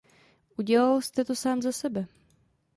Udělal jste to sám za sebe.